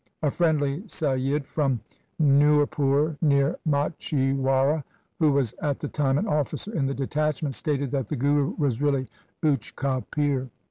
A friendly Saiyid from Nurpur near Machhiwara who was at the time an officer in the detachment, stated that the Guru was really Uch ka Pir.